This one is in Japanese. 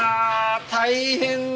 大変だ。